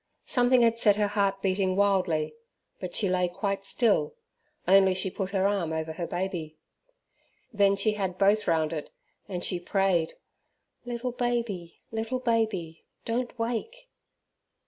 Something had set her heart beating wildly; but she lay quite still, only she put her arm over her baby. Then she had both round it, and she prayed, "Little baby, little baby, don't wake!"